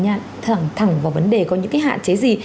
nhận thẳng thẳng vào vấn đề có những cái hạn chế gì